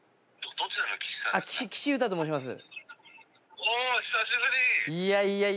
岸優太と申します。